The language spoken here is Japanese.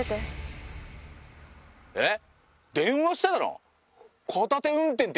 えっ？